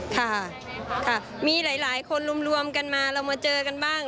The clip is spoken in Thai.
ค่ะค่ะมีหลายคนรวมกันมาเรามาเจอกันบ้าง